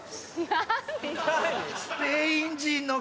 何？